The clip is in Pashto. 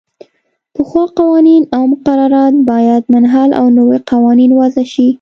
پخوا قوانین او مقررات باید منحل او نوي قوانین وضعه شي.